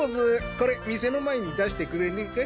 これ店の前に出してくれねぇか？